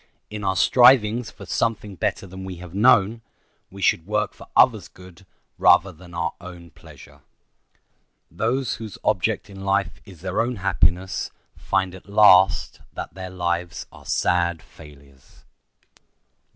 In our strivings for "something better than we have known" we should work for others' good rather than our own pleasure. Those whose object in life is their own happiness find at last that their lives are sad failures.